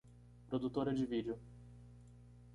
Produtora de vídeo